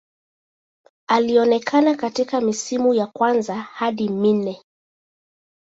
Alionekana katika misimu ya kwanza hadi minne.